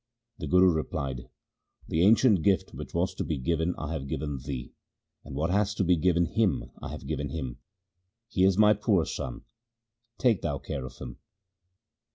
The Guru replied, ' The ancient gift which was to be given I have given thee ; and what was to be given him, I have given him. He is my poor son ; take thou care of him.'